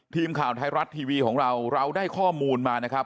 ทีมข่าวไทยรัฐทีวีของเราเราได้ข้อมูลมานะครับ